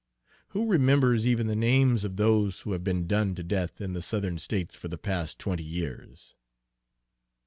Who remembers even the names of those who have been done to death in the Southern States for the past twenty years?"